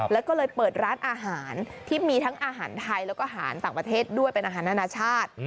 แล้วก็เลยเปิดร้านอาหารที่มีทั้งอาหารไทยแล้วก็อาหารต่างประเทศด้วยเป็นอาหารอนาชาติ